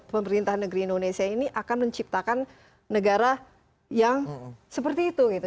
pemerintah negeri indonesia ini akan menciptakan negara yang seperti itu gitu